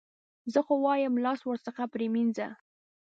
زه خو وایم لاس ورڅخه پرې مینځه.